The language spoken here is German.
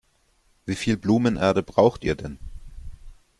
Wie viel Blumenerde braucht ihr denn?